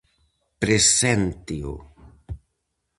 Presénteo.